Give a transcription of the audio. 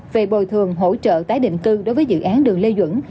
về bồi thường hỗ trợ tái định cư đối với dự án đường lê duẩn